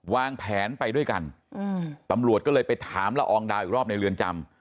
วางแผนไปด้วยกันตำรวจก็เลยไปถามละอองดาวอีกรอบในเรือนจำ